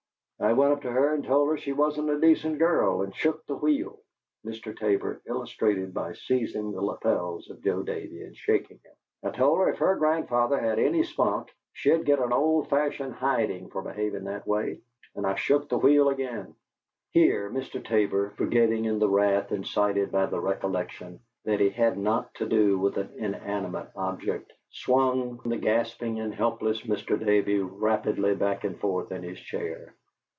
"I went up to her and told her she wasn't a decent girl, and shook the wheel." Mr. Tabor illustrated by seizing the lapels of Joe Davey and shaking him. "I told her if her grandfather had any spunk she'd git an old fashioned hidin' for behavin' that way. And I shook the wheel again." Here Mr. Tabor, forgetting in the wrath incited by the recollection that he had not to do with an inanimate object, swung the gasping and helpless Mr. Davey rapidly back and forth in his chair.